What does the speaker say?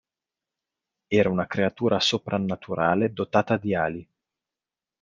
Era una creatura soprannaturale dotata di ali.